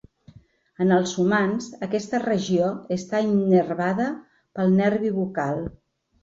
En els humans, aquesta regió està innervada pel nervi bucal.